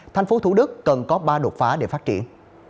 tp thủ đức cần có ba đột phá để phát triển